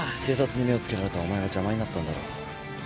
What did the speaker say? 警察に目をつけられたお前が邪魔になったんだろう。